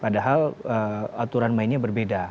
padahal aturan mainnya berbeda